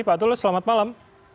pak tulus selamat malam